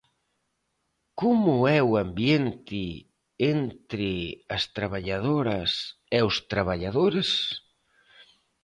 Como é o ambiente entre as traballadoras e os traballadores?